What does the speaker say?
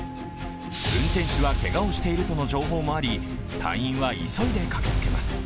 運転手はけがをしているとの情報もあり隊員は急いで駆けつけます。